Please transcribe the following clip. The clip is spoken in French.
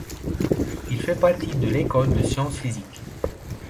Il fait partie de l'école de sciences physiques.